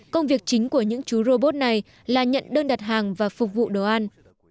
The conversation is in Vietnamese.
công việc chính của những chú robot này là nhận đơn đặt hàng và phục vụ đồ ăn